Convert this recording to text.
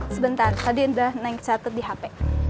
sebentar tadi indra naik catat di hp